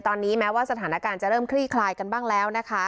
ตอนนี้แม้ว่าสถานการณ์จะเริ่มคลี่คลายกันบ้างแล้วนะคะ